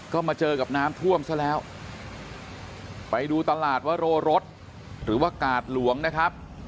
ก็มาเจอกับน้ำท่วมซะแล้วไปดูตลาดวโรรสหรือว่ากาดหลวงนะครับ